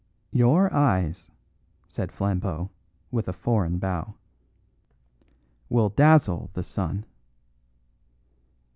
"Your eyes," said Flambeau, with a foreign bow, "will dazzle the sun."